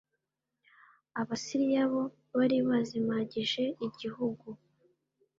Abasiriya bo bari bazimagije igihugu